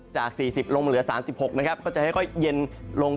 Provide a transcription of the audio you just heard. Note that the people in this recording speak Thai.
จาก๔๐ลงมาเหลือ๓๖นะครับก็จะค่อยเย็นลง